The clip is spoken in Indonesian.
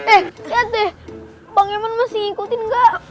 eh lihat deh bang emon masih ngikutin gak